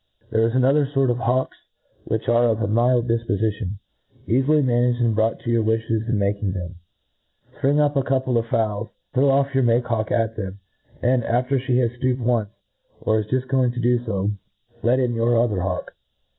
There is another fort of hawks which are of a mild difpofition, eafily managed, and brought to your wiflies in making them. Spring up a cour pie of fowls, throw off your make hawk at them, and, after flie has fl:ooped once, or is juft going to do fo, let in your other hawk.